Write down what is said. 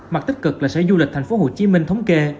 mặt tích cực là sở lưu lịch thành phố hồ chí minh thống kê